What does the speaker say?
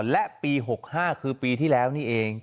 และปี๖๕คือปีที่แล้วนี่เอง